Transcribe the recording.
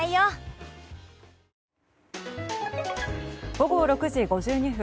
午後６時５２分。